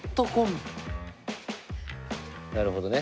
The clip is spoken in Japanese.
なるほどね。